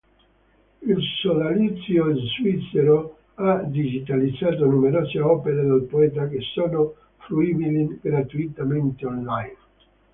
Il sodalizio svizzero ha digitalizzato numerose opere del poeta, che sono fruibili gratuitamente online.